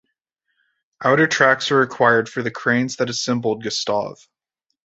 Outer tracks were required for the cranes that assembled Gustav.